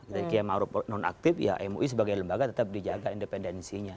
jadi kiai merupakan nonaktif ya mui sebagai lembaga tetap dijaga independensinya